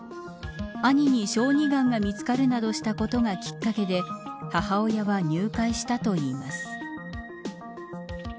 兄に小児がんが見つかるなどしたことがきっかけで母親は入会したといいます。